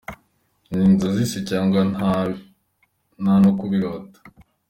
Ni inzozi se, cyangwa nta no kubirota?